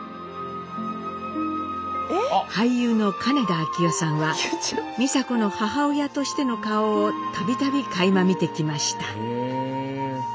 俳優の金田明夫さんは美佐子の母親としての顔を度々かいま見てきました。